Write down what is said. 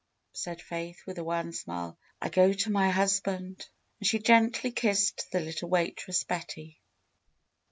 said Faith with a wan smile. "I go to my hus band." And she gently kissed the little waitress, Betty.